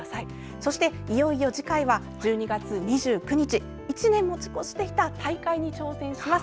そして、いよいよ次回は１２月２９日１年持ち越していた大会に挑戦します。